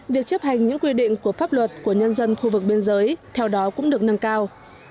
việc chấp hành những quy định của pháp luật của nhân dân khu vực biên giới theo đó cũng được nâng cao